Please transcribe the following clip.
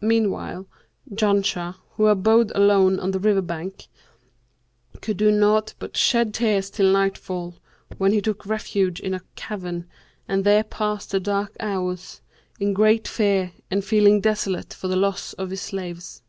Meanwhile, Janshah, who abode alone on the river bank, could do naught but shed tears till nightfall, when he took refuge in a cavern and there passed the dark hours, in great fear and feeling desolate for the loss of his slaves.